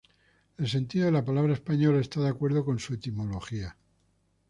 El sentido de la palabra española está de acuerdo con su etimología.